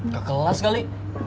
gak kelas kali